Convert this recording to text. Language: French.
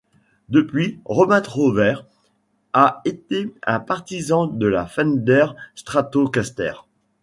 Depuis, Robin Trower a été un partisan de la Fender Stratocaster.